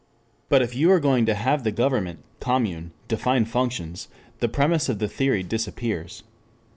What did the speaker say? But if you are going to have the government (commune) define functions, the premise of the theory disappears.